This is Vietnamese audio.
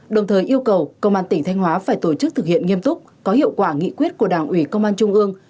đồng thời yêu cầu công an tỉnh thanh hóa phải tổ chức thực hiện nghiêm túc có hiệu quả nghị quyết của đảng ủy công an trung ương